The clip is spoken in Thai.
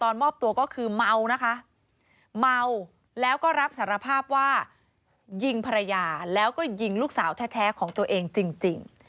แล้วก็ยิงภรรยาแล้วก็ยิงลูกสาวแท้ของตัวเองจริง